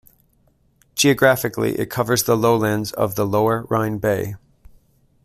Geographically it covers the lowlands of the Lower Rhine Bay.